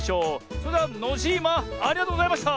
それではノジーマありがとうございました！